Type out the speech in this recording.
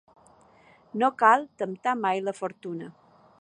No cal temptar mai la fortuna.